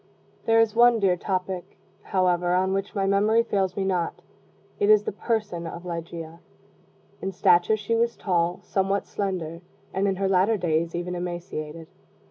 There is one dear topic, however, on which my memory fails me not. It is the person of Ligeia. In stature she was tall, somewhat slender, and, in her latter days, even emaciated.